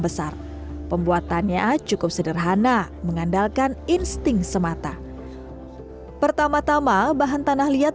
besar pembuatannya cukup sederhana mengandalkan insting semata pertama tama bahan tanah liat